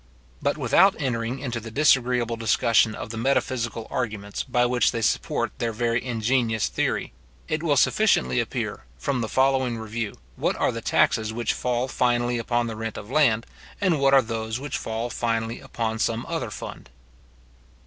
But without entering into the disagreeable discussion of the metaphysical arguments by which they support their very ingenious theory, it will sufficiently appear, from the following review, what are the taxes which fall finally upon the rent of the land, and what are those which fall finally upon some other fund.